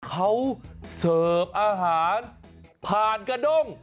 เขาเสิร์ฟอาหารผ่านกระด้ง